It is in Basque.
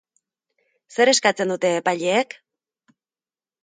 Zer eskatzen dute epaileek?